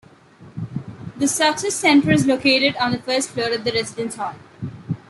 The Success Center is located on the first floor of the residence hall.